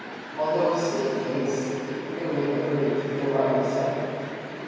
Although a city case, it really abridged the right of suffrage.